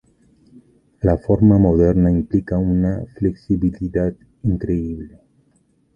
La forma moderna implica una flexibilidad increíble.